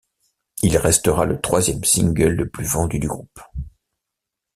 Il restera le troisième single le plus vendu du groupe.